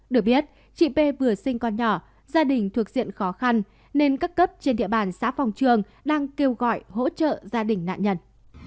được biết chị p vừa sinh con nhỏ gia đình thuộc diện khó khăn nên các cấp trên địa bàn xã phòng trường đang kêu gọi hỗ trợ gia đình nạn nhân